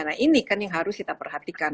nah ini kan yang harus kita perhatikan